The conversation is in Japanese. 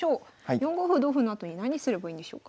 ４五歩同歩のあとに何すればいいんでしょうか？